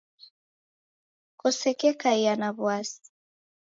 Kosekekaia na w'asi